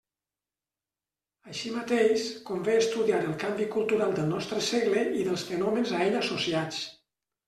Així mateix, convé estudiar el canvi cultural del nostre segle i dels fenòmens a ell associats.